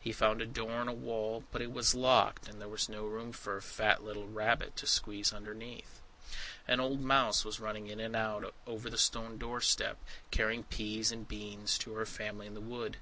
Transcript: He found a door in a wall; but it was locked, and there was no room for a fat little rabbit to squeeze underneath. An old mouse was running in and out over the stone doorstep, carrying peas and beans to her family in the wood.